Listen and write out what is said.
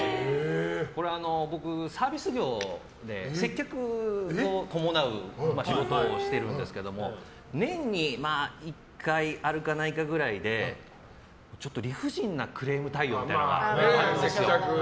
僕、サービス業で接客を伴う仕事をしてるんですけど年に１回あるかないかくらいでちょっと理不尽なクレーム対応とかあるんですよ。